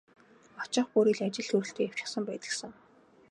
Очих бүрий л ажил төрөлтэй явчихсан байдаг сан.